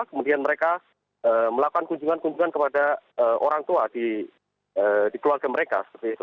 kemudian mereka melakukan kunjungan kunjungan kepada orang tua di keluarga mereka